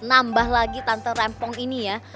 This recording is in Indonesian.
nambah lagi tante rempong ini ya